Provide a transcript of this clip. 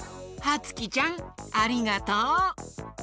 はつきちゃんありがとう！